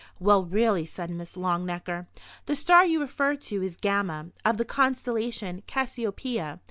"Well, really!" said Miss Longnecker. "The star you refer to is Gamma, of the constellation Cassiopeia.